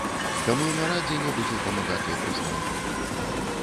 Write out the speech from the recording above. Да млынара дзе-небудзь у памагатыя прыстану.